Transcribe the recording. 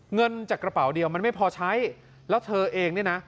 เงินจากกระเป๋าเดียวมันไม่พอใช้แล้วเธอเองเนี่ยนะ